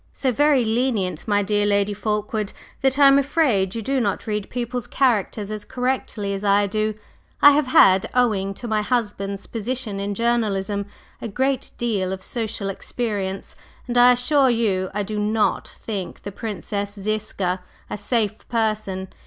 "So very lenient, my dear Lady Fulkeward, that I am afraid you do not read people's characters as correctly as I do. I have had, owing to my husband's position in journalism, a great deal of social experience, and I assure you I do not think the Princess Ziska a safe person.